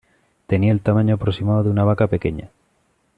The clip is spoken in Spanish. Tenía el tamaño aproximado de una vaca pequeña.